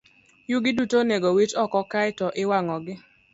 Yugi duto onego owit oko kae to iwang'ogi.